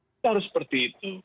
kita harus seperti itu